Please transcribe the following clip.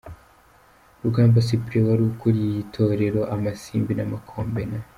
Rugamba Cyprien wari ukuriye Itorero amasimbi namakombe na.